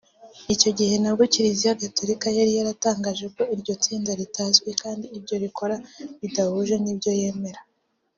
Icyo gihe nabwo Kiliziya gatolika yari yaratangaje ko iryo tsinda ritazwi kandi ibyo rikora bidahuye n’ibyo yemera